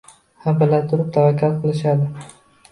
Ha, bilaturib, tavakkal qilishadi